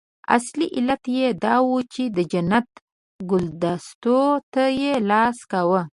اصلي علت یې دا وو چې د جنت ګلدستو ته یې لاس کاوه.